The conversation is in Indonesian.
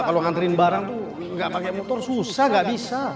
kalau nganterin barang tuh nggak pakai motor susah nggak bisa